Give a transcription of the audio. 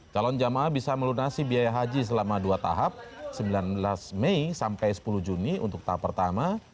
calon jamaah bisa melunasi biaya haji selama dua tahap sembilan belas mei sampai sepuluh juni untuk tahap pertama